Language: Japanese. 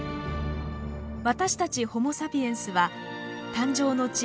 私たちホモ・サピエンスは誕生の地